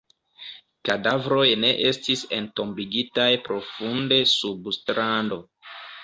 Kadavroj ne estis entombigitaj profunde sub strando.